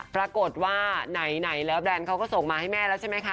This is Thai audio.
ปรากฏว่าไหนแล้วแบรนด์เขาก็ส่งมาให้แม่แล้วใช่ไหมคะ